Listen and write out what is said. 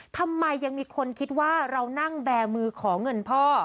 ทำไมยังมีคนคิดว่าเรานั่งแบร์มือขอเงินพ่อ